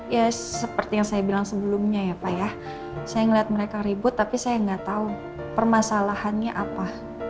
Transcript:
ya seperti yang saya bilang sebelumnya ya pak ya saya melihat mereka ribut tapi saya nggak tahu permasalahannya apa